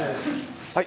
はい。